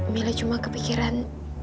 mila cuma kepikiran